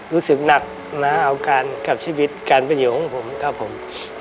รู้สึกหนักนะเอาการกับชีวิตการประโยชนของผมครับผม